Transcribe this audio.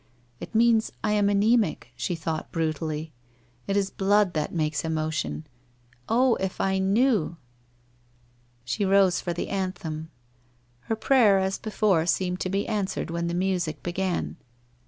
'Jt means I am , ana?mic!' she thought brutally. * It is blood that makes emotion. Oh, if I knew?' She rose for the anthem. Her prayer as before seemed to be answered when the music began.